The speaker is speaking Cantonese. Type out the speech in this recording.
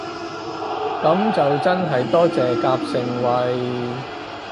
噉就真係多謝夾盛惠